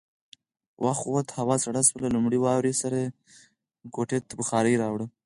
وخت ووت، هوا سړه شوه، له لومړۍ واورې سره يې کوټې ته بخارۍ راوړه.